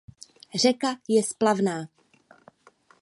Řeka je splavná.